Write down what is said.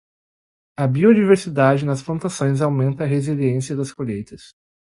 A biodiversidade nas plantações aumenta a resiliência das colheitas.